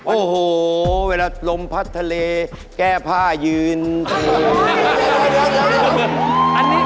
โอ้โหเวลาลมพัดทะเลแก้ผ้ายืนที